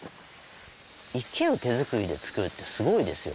池を手作りで造るってすごいですよね。